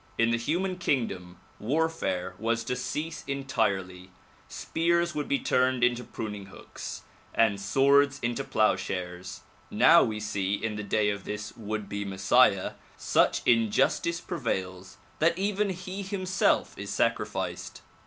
In the human kingdom warfare was to cease entirely, spears would be turned into pruning hooks and swords into plough shares. Now we see in the day of this would be Messiah such injustice prevails that even he himself is sacrificed.